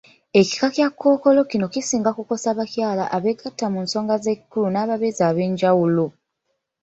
Ekika Kya kkookolo kino kisinga kukosa bakyala abeegatta mu nsonga z'ekikulu n'ababeezi ab'enjawulo.